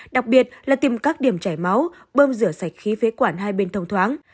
đặc biệt là tìm các điểm chảy máu bơm rửa sạch khí phế quản hai bên thông thoáng